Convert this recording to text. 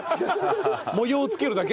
模様をつけるだけ？